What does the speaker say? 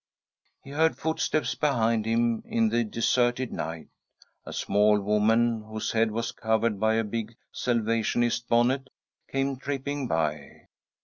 He heard footsteps behind him in the deserted night. A small woman, whose head was covered by a big Salvationist bonnet, came tripping by.